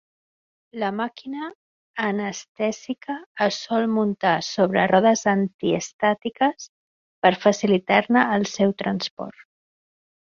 La màquina anestèsica es sol muntar sobre rodes antiestàtiques per facilitar-ne el seu transport.